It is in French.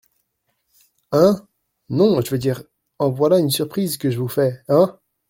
Hein ?… non… je veux dire : en voilà une surprise que je vous fais, hein ?